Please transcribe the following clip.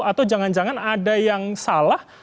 atau jangan jangan ada yang salah